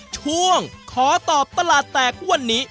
ช่วงขอตอบตลาดแตกวันนี้